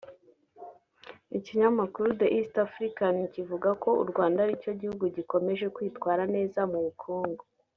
Ikinyamakuru The East African kivuga ko u Rwanda aricyo gihugu gikomeje kwitwara neza mu bukungu